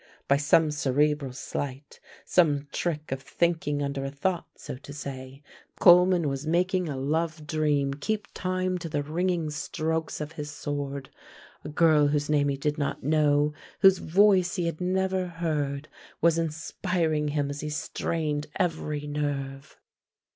By some cerebral slight, some trick of thinking under a thought, so to say, Coleman was making a love dream keep time to the ringing strokes of his sword. A girl whose name he did not know, whose voice he had never heard, was inspiring him as he strained every nerve.